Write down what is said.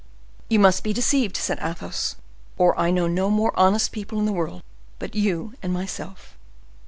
"You must be deceived," said Athos, "or I know no more honest people in the world but you and myself."